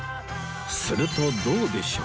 するとどうでしょう